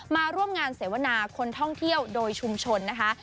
มาร่วมงานเสวนาคนท่องเที่ยวโดยชุมชนนะคะ